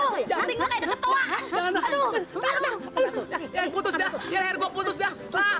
jangan putus dah